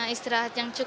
istirahat yang cepat